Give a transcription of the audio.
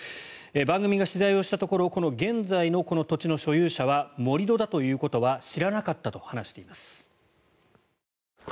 番組が取材をしたところ現在のこの土地の所有者は盛り土だということは知らなかったと話しています。